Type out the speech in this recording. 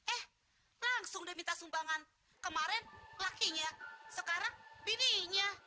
eh langsung diminta sumbangan kemarin lakinya sekarang bininya